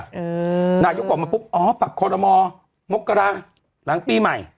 อืมนายกออกมาปุ๊บอ๋อปรับคอรมอมกราหลังปีใหม่